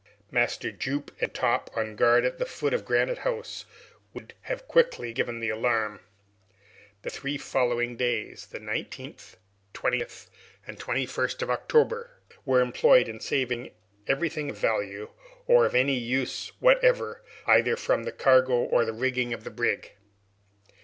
Master Jup and Top, on guard at the foot of Granite House, would have quickly given the alarm. The three following days the 19th, 20th, and 21st of October were employed in saving everything of value, or of any use whatever, either from the cargo or rigging of the brig.